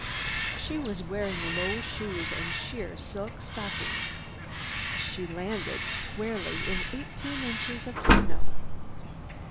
She was wearing low shoes and sheer silk stockings. She landed squarely in eighteen inches of snow.